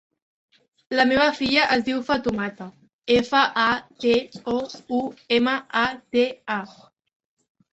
La meva filla es diu Fatoumata: efa, a, te, o, u, ema, a, te, a.